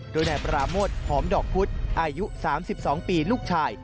โดยนายปราโมทหอมดอกพุธอายุ๓๒ปีลูกชาย